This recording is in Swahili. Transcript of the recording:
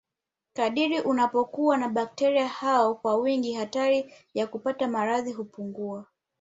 kadiri unapokuwa na bakteria hao kwa wingi hatari ya kupata maradhi hupungua